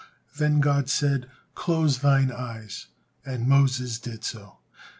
Then God said, "Close thine eyes," and Moses did so.